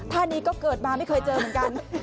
ท่านนี้ก็เกิดมาไม่เคยเจอเหมือนกัน